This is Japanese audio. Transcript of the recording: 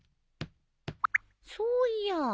そういや。